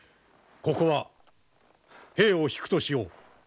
ここは兵を引くとしよう。